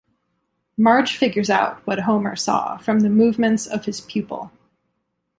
Marge figures out what Homer saw from the movements of his pupil.